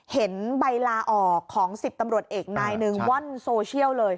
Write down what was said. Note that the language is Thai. เห็นใบลาออกของ๑๐ตำรวจเอกนายหนึ่งว่อนโซเชียลเลย